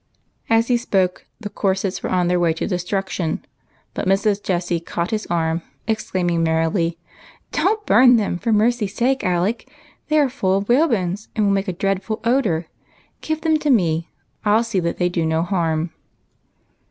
As he spoke, the corsets were on their way to de struction, but Mrs. Jessie caught his arm, exclaiming merrily, " Don't burn them, for mercy sake. Alec ; they are full of whalebones, and will make a dreadful odor. Give them to me. I'll see that they do no harm."